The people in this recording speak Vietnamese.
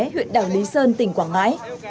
huyện đảo lý sơn tỉnh quảng ngãi